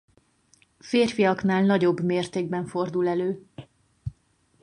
Férfiaknál nagyobb mértékben fordul elő.